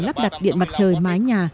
lắp đặt điện mặt trời mái nhà